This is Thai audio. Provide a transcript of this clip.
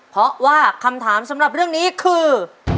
เพราะว่าคำถามสำหรับเรื่องนี้คือ